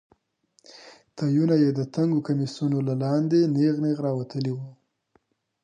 تيونه يې د تنګو کميسونو له لاندې نېغ نېغ راوتلي وو.